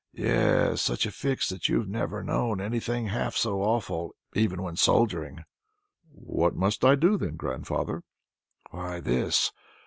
"Yes, such a fix that you've never known anything half so awful, even when soldiering." "What must I do then, grandfather?" "Why this.